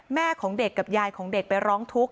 แม่ของเด็กกับยายของเด็กไปร้องทุกข